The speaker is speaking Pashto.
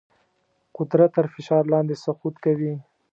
قدرت تر فشار لاندې سقوط کوي.